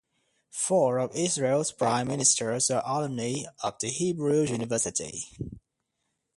Four of Israel's prime ministers are alumni of the Hebrew University.